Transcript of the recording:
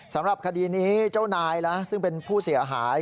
สำหรับคดีนี้เจ้านายนะซึ่งเป็นผู้เสียหาย